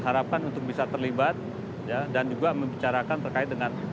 harapkan untuk bisa terlibat dan juga membicarakan terkait dengan